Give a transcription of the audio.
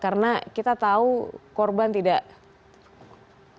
karena yang diperlakukan adalah